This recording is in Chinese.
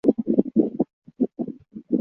其设计也使其在通话时有少许延迟。